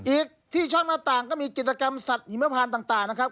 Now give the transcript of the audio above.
อีกที่ช่องหน้าต่างก็มีกิจกรรมสัตว์หิมพานต่างนะครับ